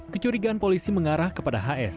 kecurigaan polisi mengarah kepada hs